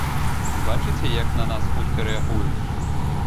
Бачыце, як на нас хутка рэагуюць!